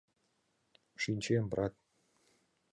— Шинчем, брат.